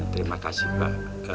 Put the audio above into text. terima kasih pak